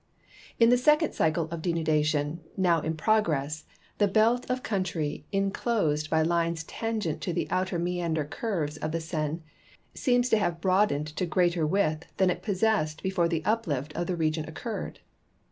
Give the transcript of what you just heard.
In the second C3^cle of denudation, now in progress, the belt of country inclosed by lines tangent to the outer meander curves of the Seine seems to have broadened to greater Avidth than it possessed before the uplift of the region occurred.